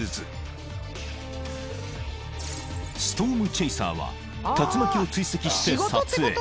［ストームチェイサーは竜巻を追跡して撮影］